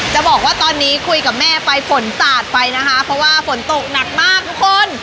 จะบอกว่าตอนนี้คุยกับแม่ไปฝนสาดไปนะคะเพราะว่าฝนตกหนักมากทุกคน